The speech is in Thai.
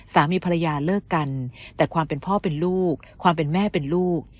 สามีภรรยาเลิกกันแต่ความเป็นพ่อเป็นลูกความเป็นแม่เป็นลูก